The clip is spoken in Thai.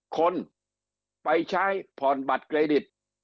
คนไปใช้ผ่อนบัตรเครดิต